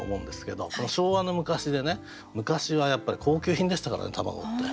「昭和の昔」でね昔はやっぱり高級品でしたからね卵って。